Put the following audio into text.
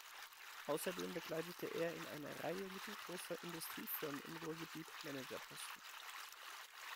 Außerdem bekleidete er in einer Reihe mittelgroßer Industriefirmen im Ruhrgebiet Managerposten.